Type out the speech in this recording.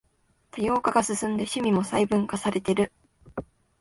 多様化が進んで趣味も細分化されてる